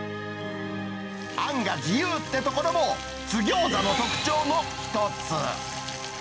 あんが自由っていうところも、津ぎょうざの特徴の一つ。